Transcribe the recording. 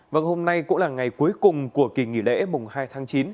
vâng hôm nay cũng là ngày cuối cùng của kỳ nghỉ lễ mùng hai tháng chín